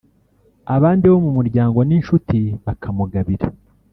abandi bo mu muryango n’inshuti bakamugabira